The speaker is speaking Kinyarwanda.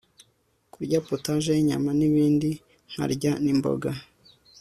kurya potaje yinyanya nibindi nkarya nimboga